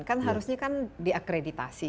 kan harusnya kan diakreditasi